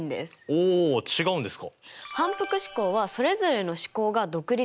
お違うんですか。